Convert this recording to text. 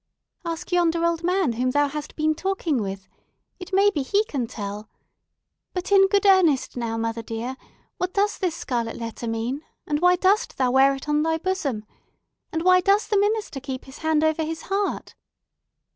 "Ask yonder old man whom thou hast been talking with,—it may be he can tell. But in good earnest now, mother dear, what does this scarlet letter mean?—and why dost thou wear it on thy bosom?—and why does the minister keep his hand over his heart?"